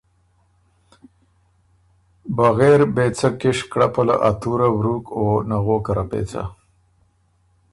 بغېر بې څه کِش کړپه له ا تُوره ورُوک او نغوکه ره پېڅه۔